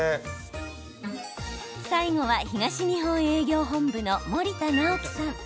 最後は、東日本営業本部の森田直樹さん。